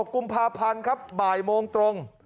กุมภาพันธ์ครับบ่ายโมงตรง